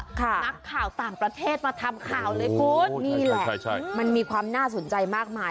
นักข่าวต่างประเทศมาทำข่าวเลยคุณนี่แหละมันมีความน่าสนใจมากมาย